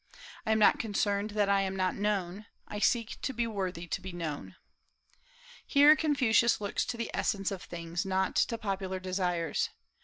I am not concerned that I am not known; I seek to be worthy to be known.'" Here Confucius looks to the essence of things, not to popular desires.